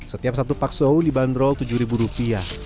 setiap satu pak sohu dibanderol rp tujuh